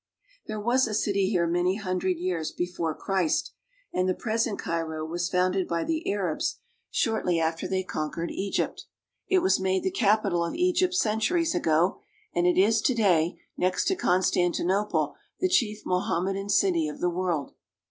There was a city here many hundred years before Christ, and the present Cairo was founded by the Arabs shortly Pompey' i // 96 AFRICA after they conquered Egypt. It was made the capital of Egypt centuries ago, and it is to day, next to Constanti nople, the chief Mohammedan city of the world.